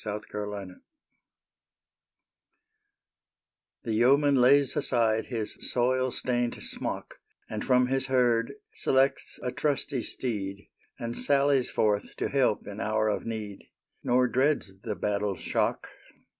ENGLAND'S BRAVE SONS The yeoman lays aside his soil stained smock, And from his herd selects a trusty steed, And sallies forth to help in hour of need; Nor dreads the battle's shock.